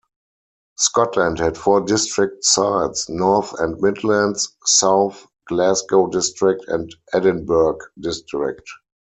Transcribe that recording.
Scotland had four District Sides:- North and Midlands; South; Glasgow District and Edinburgh District.